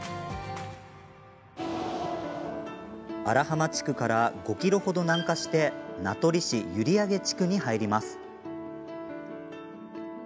荒浜地区から５ｋｍほど南下して名取市閖上地区に入ります。